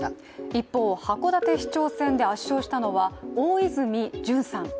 一方、函館市長選で圧勝したのは大泉潤さん。